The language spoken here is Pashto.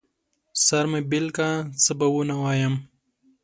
سر مې بېل که، څه به ونه وايم.